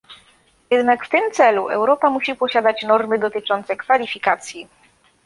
Jednak w tym celu Europa musi posiadać normy dotyczące kwalifikacji